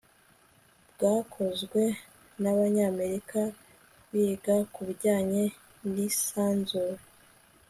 bwakozwe n'abanyamerika biga kubijyanye n'isanzure